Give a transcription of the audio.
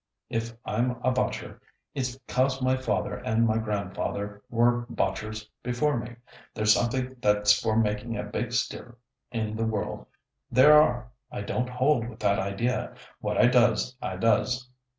If I'm a botcher, it's 'cos my father and my grandfather were botchers before me. There's some that's for making a big stir in the world, there are. I don't hold with that idea. What I does, I does."